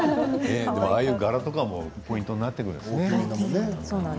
ああいう柄とかもポイントになってくるんですね。